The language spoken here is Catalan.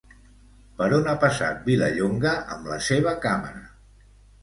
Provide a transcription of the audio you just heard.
Per on ha passat Vilallonga amb la seva càmera?